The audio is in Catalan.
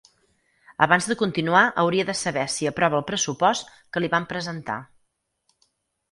Abans de continuar hauria de saber si aprova el pressupost que li vam presentar.